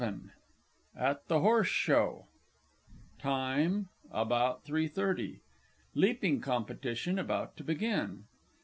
_ At the Horse Show. TIME About 3.30. _Leaping Competition about to begin.